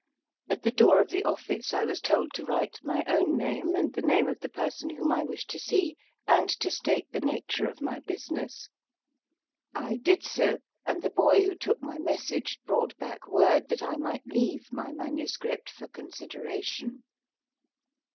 At the door of the office I was told to write my own name, and the name of the person whom I wished to see, and to state the nature of my business I did so, and the boy who took my message brought back word that I might leave my manu script for consideration.